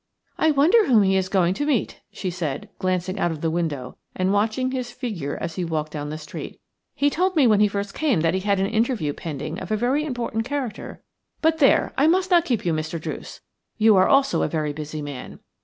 "I wonder whom he is going to meet," she said, glancing out of the window and watching his figure as he walked down the street. "He told me when he first came that he had an interview pending of a very important character. But, there, I must not keep you, Mr. Druce; you are also a very busy man.